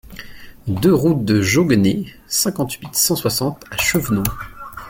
deux route de Jaugenay, cinquante-huit, cent soixante à Chevenon